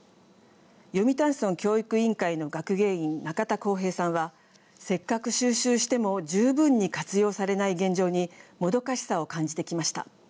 読谷村教育委員会の学芸員中田耕平さんはせっかく収集しても十分に活用されない現状にもどかしさを感じてきました。